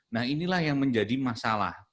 nah inilah yang menjadi masalah